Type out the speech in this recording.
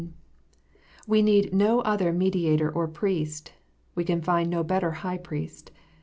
We need no other Mediator or Priest. We can find no better High Priest.